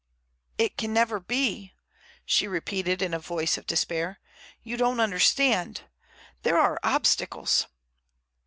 "It can never be," she repeated in a voice of despair. "You don't understand. There are obstacles."